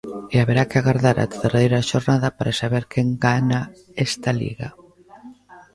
E haberá que agardar ata a derradeira xornada para saber quen gana esta Liga.